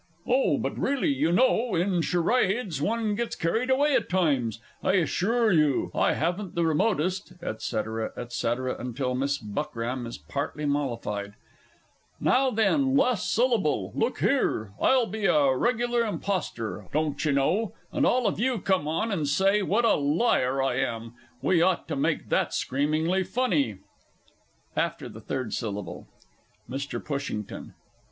Oh, but really, you know, in Charades one gets carried away at times. I assure you, I hadn't the remotest (&c, &c. until Miss Buckram is partly mollified.) Now then last syllable. Look here, I'll be a regular impostor, don't you know, and all of you come on and say what a liar I am. We ought to make that screamingly funny! AFTER THE THIRD SYLLABLE. MR. PUSHINGTON.